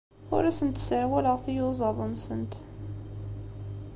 Ur asent-sserwaleɣ tiyuzaḍ-nsent.